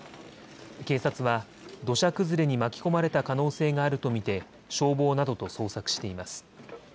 警察は土砂崩れに巻き込まれた可能性があると見て消防などと捜索しています。